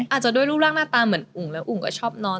อาจจะด้วยรูปร่างหน้าตาเหมือนอุ๋งแล้วอุ๋งก็ชอบนอน